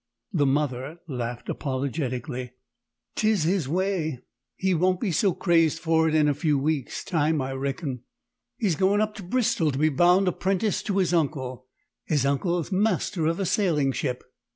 The mother laughed apologetically "'Tis his way. He won't be so crazed for it in a few weeks' time, I reckon. He's goin' up to Bristol to be bound apprentice to his uncle. His uncle's master of a sailing ship."